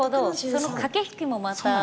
その駆け引きもまた。